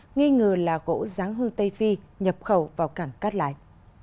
nghi ngờ là gỗ giáng hương tây phi nhập khẩu vào cảng cát lái